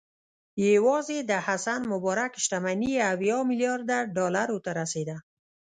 یوازې د حسن مبارک شتمني اویا میلیارده ډالرو ته رسېده.